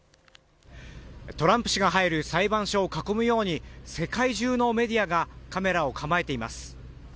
トランプ氏が入る裁判所を囲むように世界中のメディアがカメラを構えています。